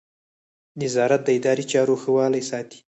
نظارت د اداري چارو ښه والی ساتي.